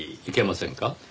いけませんか？